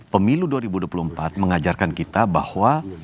pemilu dua ribu dua puluh empat mengajarkan kita bahwa